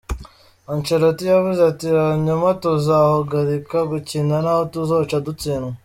Ancelotti yavuze ati:"Hanyuma tuzohagarika gukina, n'ho tuzoca dutsindwa.